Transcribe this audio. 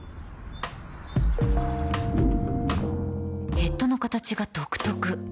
ヘッドの形が独特